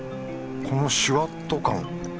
このシュワッと感。